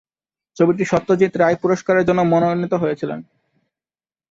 ছবিটি সত্যজিৎ রায় পুরষ্কারের জন্য মনোনীত হয়েছিল।